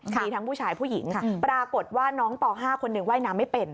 มีทั้งผู้ชายผู้หญิงค่ะปรากฏว่าน้องป๕คนหนึ่งว่ายน้ำไม่เป็น